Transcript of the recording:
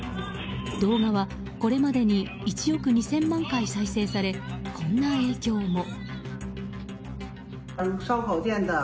動画はこれまでに１億２０００万回再生されこんな影響も。